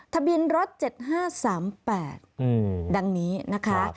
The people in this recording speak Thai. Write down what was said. ทะเบียนรถ๗๕๓๘ดังนี้นะคะ